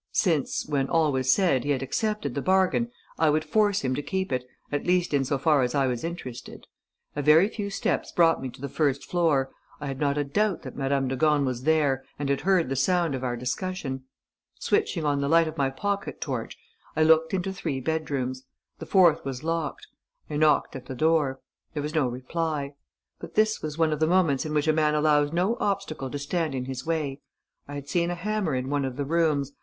Since, when all was said, he had accepted the bargain, I would force him to keep it, at least in so far as I was interested. A very few steps brought me to the first floor ... I had not a doubt that Madame de Gorne was there and had heard the sound of our discussion. Switching on the light of my pocket torch, I looked into three bedrooms. The fourth was locked. I knocked at the door. There was no reply. But this was one of the moments in which a man allows no obstacle to stand in his way. I had seen a hammer in one of the rooms.